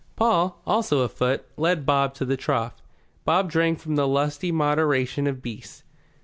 Paul, also afoot, led Bob to the trough. Bob drank with the lusty moderation of beasts.